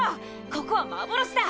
ここは幻だ！